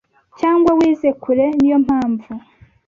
cyangwa wize kure niyo mpamvu